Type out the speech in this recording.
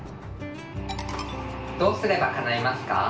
どうすればかないますか？